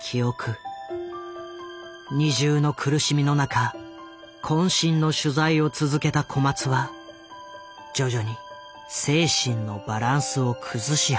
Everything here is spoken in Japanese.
二重の苦しみの中渾身の取材を続けた小松は徐々に精神のバランスを崩し始める。